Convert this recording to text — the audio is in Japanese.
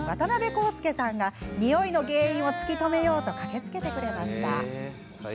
紘介さんがにおいの原因を突き止めようと駆けつけてくれました。